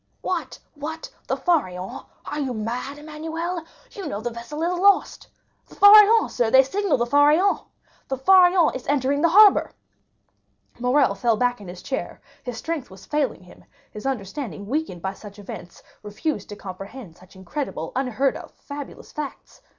"What!—what!—the Pharaon! Are you mad, Emmanuel? You know the vessel is lost." "The Pharaon, sir—they signal the Pharaon! The Pharaon is entering the harbor!" Morrel fell back in his chair, his strength was failing him; his understanding weakened by such events, refused to comprehend such incredible, unheard of, fabulous facts.